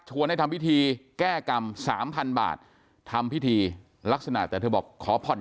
ให้ทำพิธีแก้กรรมสามพันบาททำพิธีลักษณะแต่เธอบอกขอผ่อน